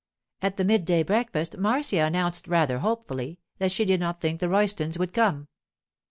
At the mid day breakfast Marcia announced rather hopefully that she did not think the Roystons would come.